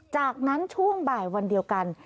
จากนั้นช่วงบ่ายวันเดียวกัน